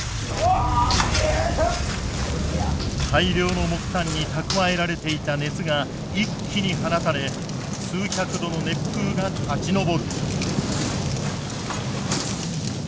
大量の木炭に蓄えられていた熱が一気に放たれ数百度の熱風が立ち上る。